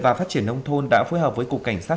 và phát triển nông thôn đã phối hợp với cục cảnh sát